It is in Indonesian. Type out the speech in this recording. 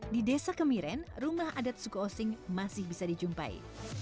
di desa kemiren rumah adat suku osing masih bisa dijumpai